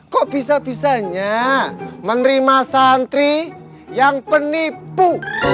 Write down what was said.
kok bisa bisanya menerima santri yang penipu